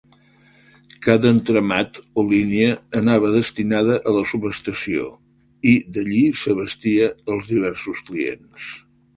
Cada entramat, o línia, anava destinada a la subestació i, d'allí, s'abastia els diversos clients.